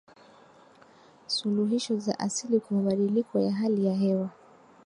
suluhisho za asili kwa mabadiliko ya hali ya hewa